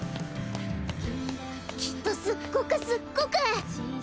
きっとすっごくすっごく。